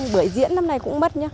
bưởi diễn năm nay cũng mất nhá